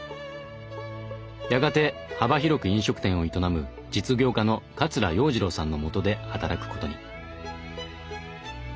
やがて幅広く飲食店を営む実業家の桂洋二郎さんのもとで働くことに。